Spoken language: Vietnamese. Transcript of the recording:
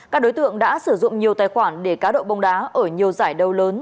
các đối tượng đã sử dụng nhiều tài khoản để cá độ bóng đá ở nhiều giải đấu lớn